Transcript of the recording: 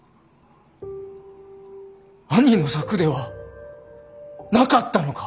兄の策ではなかったのか。